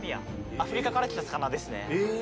アフリカから来た魚ですね。